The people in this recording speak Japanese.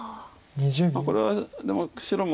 これはでも白も。